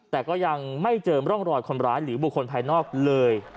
แต่ก็ยังไม่เจอร่องรอยคนร้ายหรือบุคคลภายนอกเลย